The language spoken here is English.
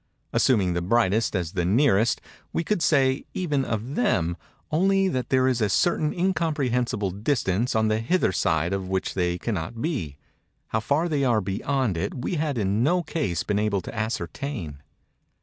Assuming the brightest as the nearest, we could say, even of them, only that there is a certain incomprehensible distance on the hither side of which they cannot be:—how far they are beyond it we had in no case been able to ascertain.